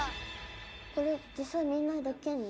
これ実際みんなできるの？